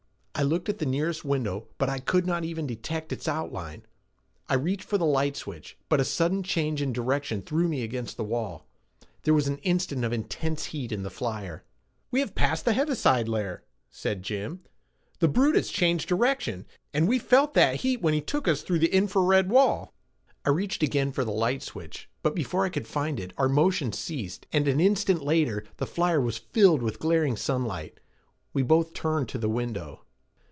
I looked at the nearest window, but I could not even detect its outline. I reached for the light switch, but a sudden change in direction threw me against the wall. There was an instant of intense heat in the flyer. "We have passed the heaviside layer," said Jim. "The brute has changed direction, and we felt that heat when he took us through the infra red wall." I reached again for the light switch, but before I could find it our motion ceased and an instant later the flyer was filled with glaring sunlight. We both turned to the window.